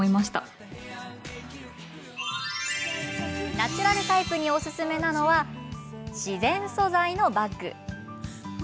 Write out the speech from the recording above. ナチュラルタイプにおすすめなのは自然素材のバッグ。